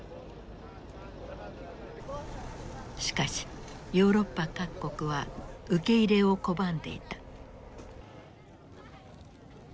しかしヨーロッパ各国は受け入れを拒んでいた。